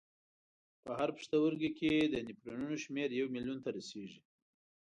په هر پښتورګي کې د نفرونونو شمېر یو میلیون ته رسېږي.